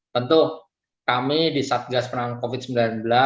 tentu kami di satgas penanganan covid sembilan belas